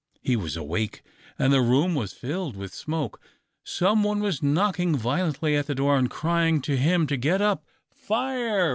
He was awake, and the room was filled with smoke. Some one was knocking violently at the door and crying to him to get up. "Fire!